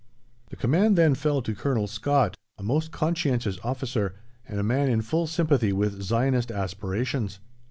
The command then fell to Colonel Scott, a most conscientious officer, and a man in full sympathy with Zionist aspirations.